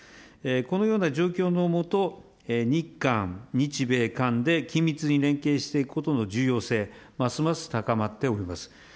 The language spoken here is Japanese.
このような状況の下、日韓、日米韓で緊密に連携していくことの重要性、ますます高まっております。